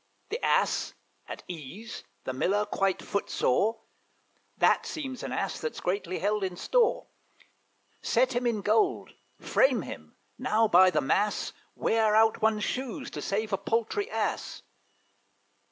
The Ass at ease, the Miller quite foot sore! That seems an Ass that's greatly held in store. Set him in gold frame him now, by the mass, Wear out one's shoes, to save a paltry Ass!